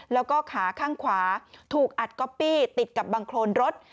แล้วก็ขาข้างขวาถูกอัดก๊อปปี้ติดกับบังโครนรถ